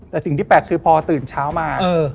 แต่สิ่งที่แปลกคือพอตื่นเช้ามา